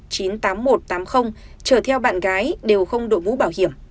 chở theo bạn gái đều không đội mũ bảo hiểm